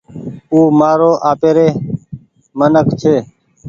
او مآرو آپيري منک ڇي